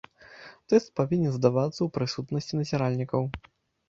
Тэст павінен здавацца ў прысутнасці назіральнікаў.